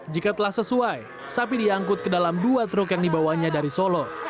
jika telah sesuai sapi diangkut ke dalam dua truk yang dibawanya dari solo